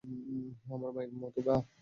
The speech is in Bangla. আমার মায়ের মতো গা।